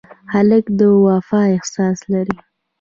هلک د وفا احساس لري.